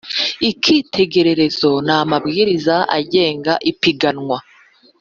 ikitegererezo n’ amabwiriza agenga ipiganwa